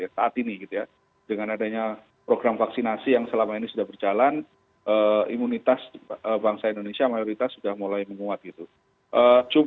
saat ini gitu ya dengan adanya program vaksinasi yang selama ini sudah berjalan imunitas bangsa indonesia mayoritas sudah mulai menguat gitu